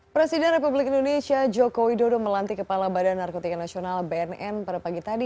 presiden republik indonesia joko widodo melantik kepala badan narkotika nasional bnn pada pagi tadi